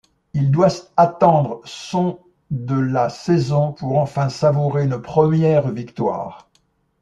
Il doit attendre son de la saison pour enfin savourer une première victoire.